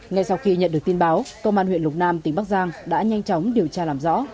ngay sau khi nhận được tin báo công an huyện lục nam tỉnh bắc giang đã nhanh chóng điều tra làm rõ